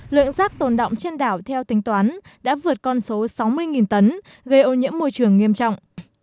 lượng rác tồn động trên đảo theo tính toán đã vượt con số sáu mươi tấn gây ô nhiễm môi trường nghiêm trọng